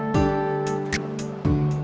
sampai jumpa lagi